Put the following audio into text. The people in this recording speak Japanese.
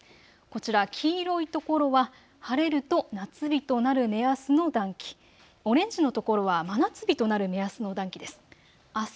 こちら、黄色い所は晴れると夏日となる目安の暖気、オレンジの所は真夏日となる目安の暖気です。